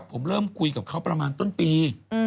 ผมเริ่มคุยกับเขาประมาณต้นปี